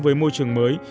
với môi trường mới